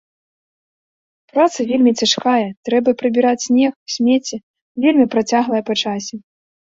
Праца вельмі цяжкая, трэба прыбіраць снег, смецце, вельмі працяглая па часе.